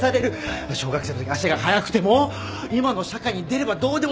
小学生のときに足が速くても今の社会に出ればどうでもよくなる。